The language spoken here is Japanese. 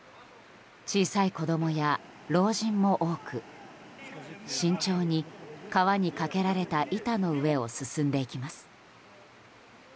小さい子供や老人も多く慎重に、川に架けられた板の上を進んでいきます。